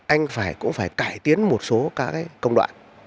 anh cũng phải cải tiến một số các cái công đoạn